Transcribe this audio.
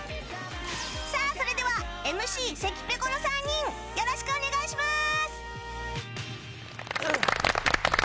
さあ、それではＭＣ関ぺこの３人よろしくお願いします！